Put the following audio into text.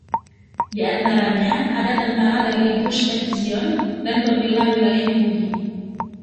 Diantaranya ada tentara dari Gush Etzion dan pembela wilayah Yahudi.